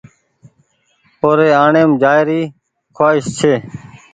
او ري آڻيم جآئي ر کوآئس ڇي۔